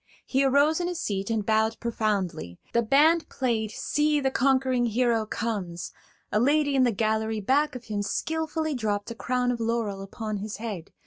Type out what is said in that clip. He arose in his seat and bowed profoundly; the band played "See the Conquering Hero Comes"; a lady in the gallery back of him skilfully dropped a crown of laurel upon his head.